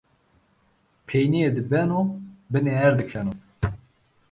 Peyniye de beno bınê erdi keno.